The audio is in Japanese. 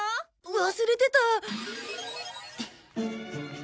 忘れてた！